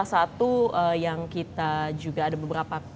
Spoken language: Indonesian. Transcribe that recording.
jadi salah satu yang kita juga ada beberapa kata